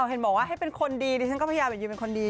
เห็นบอกว่าให้เป็นคนดีซึ่งก็พญาแบบนี้เป็นคนดี